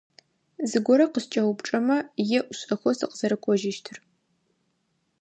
Зыгорэ къыскӏэупчӏэмэ, еӏу шӏэхэу сыкъызэрэкӏожьыщтыр.